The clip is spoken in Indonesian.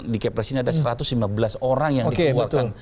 di kepres ini ada satu ratus lima belas orang yang dikeluarkan